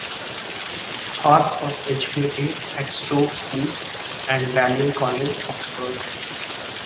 Thorpe was educated at Stowe School and Balliol College, Oxford.